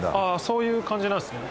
そういう感じなんですね